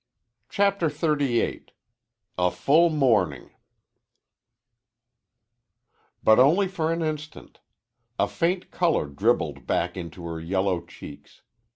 CHAPTER XXXVIII A FULL MORNING But only for an instant. A faint color dribbled back into her yellow cheeks.